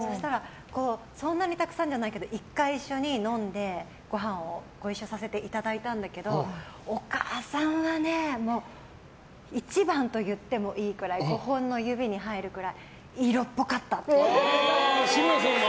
そんなにたくさんじゃないけど１回、飲んでご飯をご一緒させていただいたんだけどお母さんはね一番と言ってもいいくらい５本の指に入るくらい色っぽかったって。